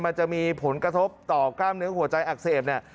มันจะมีผลกระทบต่อกล้ามเนื้อหัวใจอักเสบเนี่ย